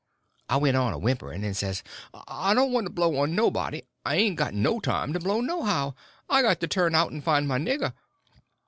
I went on a whimpering, and says: "I don't want to blow on nobody; and I ain't got no time to blow, nohow. I got to turn out and find my nigger."